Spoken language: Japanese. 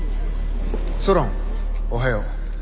ソロンおはよう。